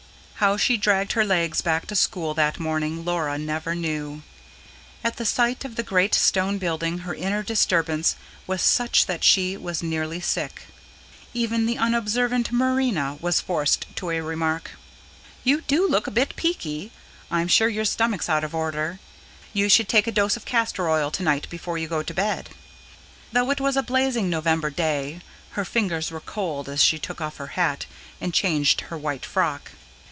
How she dragged her legs back to school that morning, Laura never knew. At the sight of the great stone building her inner disturbance was such that she was nearly sick. Even the unobservant Marina was forced to a remark. "You do look a bit peaky. I'm sure your stomach's out of order. Your should take a dose of castor oil to night, before you go to bed." Though it was a blazing November day, her fingers were cold as she took off her hat and changed her white frock.